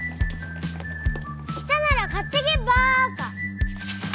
来たなら買ってけバーカ